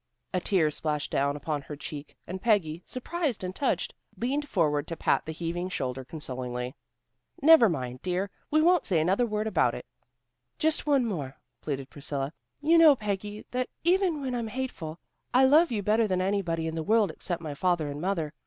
A tear splashed down upon her cheek, and Peggy, surprised and touched, leaned forward to pat the heaving shoulder consolingly. "Never mind, dear. We won't say another word about it." "Just one more," pleaded Priscilla. "You know, Peggy, that even when I'm hateful, I love you better than anybody in the world except my father and mother.